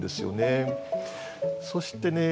そしてね